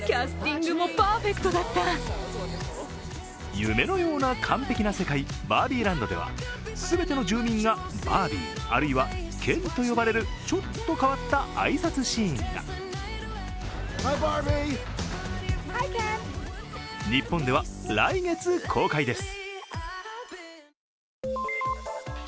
夢のような完璧な世界、バービーランドでは、全ての住民がバービー、あるいはケンと呼ばれるちょっと変わった挨拶シーンが。日本では来月公開です。